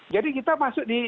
jadi kita masuk di